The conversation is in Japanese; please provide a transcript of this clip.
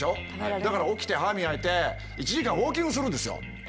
だから起きて歯磨いて１時間ウォーキングするんですよ。